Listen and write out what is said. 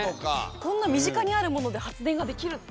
こんな身近にあるもので発電ができるって。